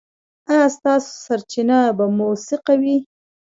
ایا ستاسو سرچینه به موثقه وي؟